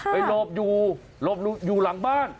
ไปหลบอยู่หลังบ้าน